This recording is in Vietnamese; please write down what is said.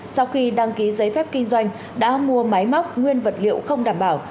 sau khi đăng ký giấy phép kinh doanh đã mua máy móc nguyên vật liệu không đảm bảo